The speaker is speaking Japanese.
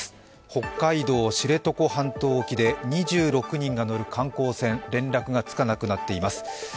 北海道知床半島沖で２６人が乗る観光船、連絡が付かなくなっています。